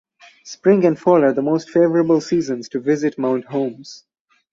Spring and fall are the most favorable seasons to visit Mount Holmes.